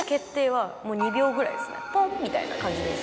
ポンみたいな感じです。